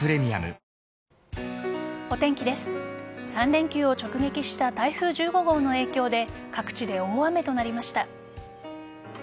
３連休を直撃した台風１５号の影響で各地で大雨となりました。